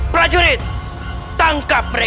prajurit tangkap mereka